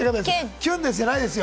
「きゅんです」じゃないですよ。